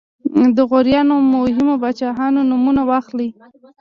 د غوریانو مهمو پاچاهانو نومونه واخلئ.